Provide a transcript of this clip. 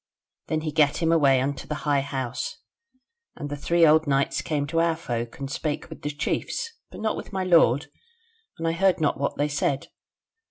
Then he gat him away unto his High House; and the three old knights came to our folk, and spake with the chiefs; but not with my lord, and I heard not what they said.